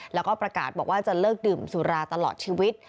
แล้วก็ประกาศบอกว่าจะเลิกดื่มสุราตลอดชีวิต